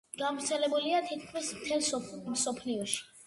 გავრცელებულია თითქმის მთელ მსოფლიოში.